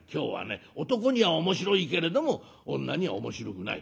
男には面白いけれども女には面白くない」。